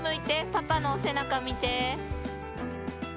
パパのお背中見て。